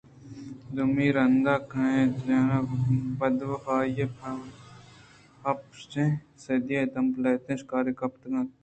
دومی ءِ زند ءَ کنت زِیان بدوفائی ہپشاہیں صیدے ءِ دمب ءَ لہتیں شکاری کپتگ اَت